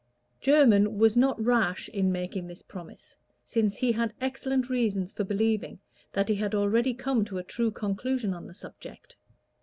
Jermyn was not rash in making this promise, since he had excellent reasons for believing that he had already come to a true conclusion on the subject.